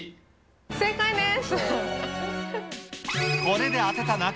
正解です。